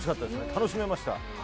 楽しめました。